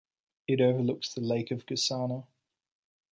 It overlooks the Lake of Gusana.